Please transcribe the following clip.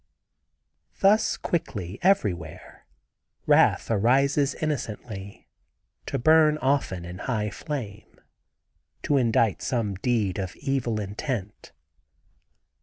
Thus quickly, everywhere, wrath arises innocently, to burn often in high flame—to indite some deed of evil intent.